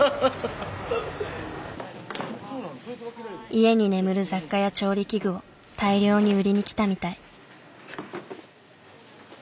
家に眠る雑貨や調理器具を大量に売りに来たみたい。